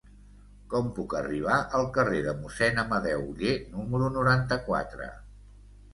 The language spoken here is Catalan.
Com puc arribar al carrer de Mossèn Amadeu Oller número noranta-quatre?